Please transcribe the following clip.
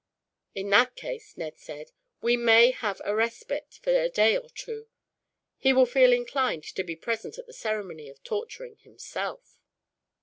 "In that case," Ned said, "we may have a respite, for a day or two. He will feel inclined to be present at the ceremony of torturing, himself.